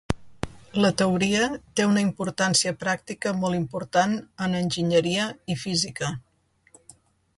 La teoria té una importància pràctica molt important en enginyeria i física.